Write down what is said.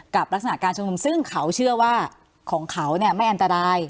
กับลักษณะการชงสมซึ่งเขาเชื่อว่าของเขาเนี่ยไม่อันตราย